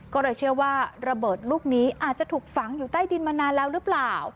ก็เลยเชื่อว่าระเบิดลูกนี้อาจจะถูกฝังอยู่ใต้ดินมานานแล้วหรือเปล่า